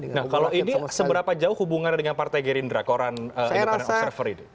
nah kalau ini seberapa jauh hubungannya dengan partai gerindra koran independent observer ini